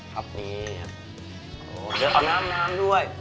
หน้าน้ำด้วย